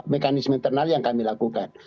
mekanisme internal yang kami lakukan